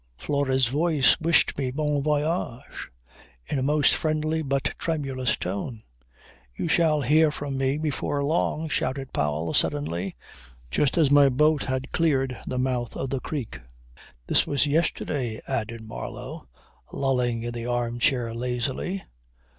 Flora's voice wished me "bon voyage" in a most friendly but tremulous tone. "You shall hear from me before long," shouted Powell, suddenly, just as my boat had cleared the mouth of the creek. "This was yesterday," added Marlow, lolling in the arm chair lazily.